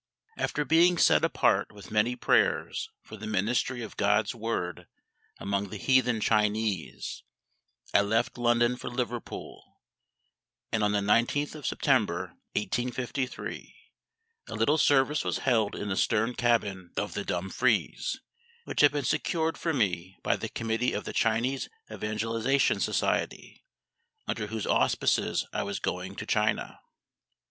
After being set apart with many prayers for the ministry of GOD's Word among the heathen Chinese I left London for Liverpool; and on the 19th of September 1853 a little service was held in the stern cabin of the Dumfries, which had been secured for me by the Committee of the Chinese Evangelisation Society, under whose auspices I was going to China.